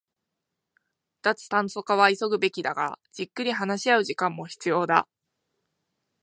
脱炭素化は急ぐべきだが、じっくり話し合う時間も必要だ